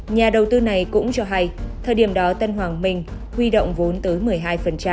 nhà đầu tư này cũng cho hay thời điểm đó tân hoàng minh huy động vốn tới một mươi hai